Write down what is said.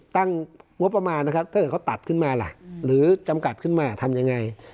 ตั้งงบประมาณนะครับถ้าเกิดเขาตัดขึ้นมาล่ะหรือจำกัดขึ้นมาทำยังไง